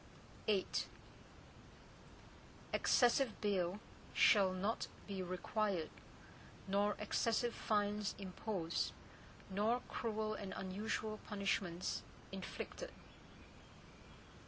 VIII Excessive bail shall not be required nor excessive fines imposed, nor cruel and unusual punishments inflicted.